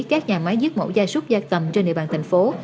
các nhà máy giết mổ da súc da cầm trên địa bàn thành phố